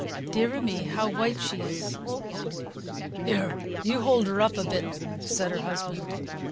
Dear a me, how white she is!" "Here! you hold her up a bit," said her husband.